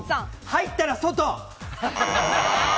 入ったら外。